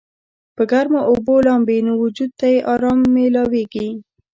پۀ ګرمو اوبو لامبي نو وجود ته ئې ارام مېلاويږي